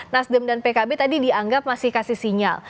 nasdem dan pkb tadi dianggap masih kasih sinyal